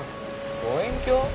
望遠鏡？